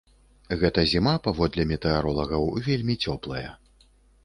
Гэта зіма, паводле метэаролагаў, вельмі цёплая.